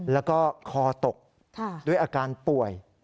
แล้วก็คอตกด้วยอาการป่วย